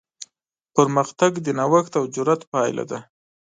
پرمختګ د نوښت او جرات پایله ده.